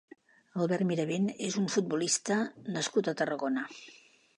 Albert Miravent és un futbolista nascut a Tarragona.